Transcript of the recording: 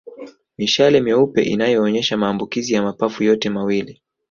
Mishale meupe inayoonyesha maambukizi ya mapafu yote mawili